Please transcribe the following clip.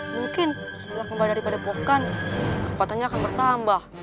mungkin setelah kembali daripada pokan kekuatannya akan bertambah